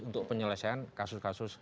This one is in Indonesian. untuk penyelesaian kasus kasus